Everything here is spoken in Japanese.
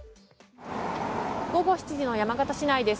午後７時の山形市内です。